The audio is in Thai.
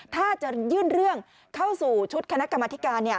ถ้าจะยื่นเรื่องเข้าสู่ชุดคณะกรรมธิการ